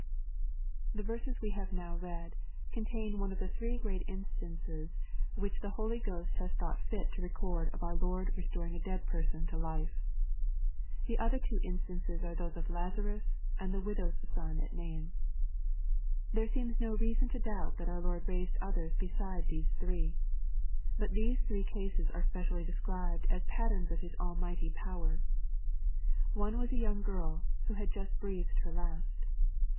The verses we have now read, contain one of the three gieat instances which the Holy Ghost has thought fit to record of our Lord restoring a dead person to life. The other two instances are those of Lazarus and the widow's son at Nain. There seems no reason to doubt that our Lord raised others beside these three. But these three cases are specially described as patterns of His almighty power. One was a young girl, who had just breathed her last.